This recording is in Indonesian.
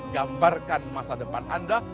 gambarkan masa depan anda